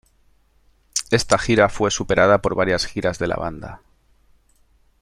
Esta gira fue superada por varias giras de la banda.